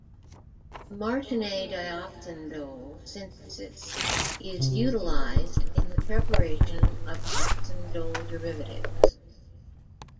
The Martinet dioxindole synthesis is utilized in the preparation of oxindole derivatives.